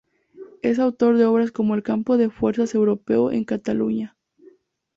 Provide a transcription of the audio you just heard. Es autor de obras como "El campo de fuerzas europeo en Cataluña.